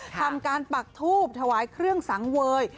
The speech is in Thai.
ทำการปักทูบถวายเครื่องสังเวย